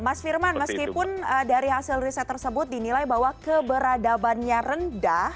mas firman meskipun dari hasil riset tersebut dinilai bahwa keberadabannya rendah